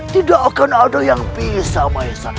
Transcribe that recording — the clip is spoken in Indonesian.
tidak akan ada yang bisa maisak